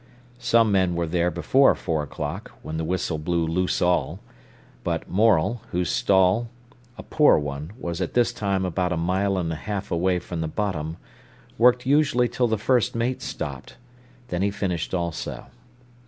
Some men were there before four o'clock, when the whistle blew loose all; but Morel, whose stall, a poor one, was at this time about a mile and a half away from the bottom, worked usually till the first mate stopped, then he finished also.